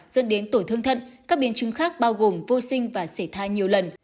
dân đến tuổi thương thận các biên chứng khác bao gồm vô sinh và sẻ thai nhiều lần